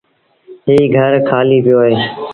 ايٚ گھر کآليٚ پيو اهي۔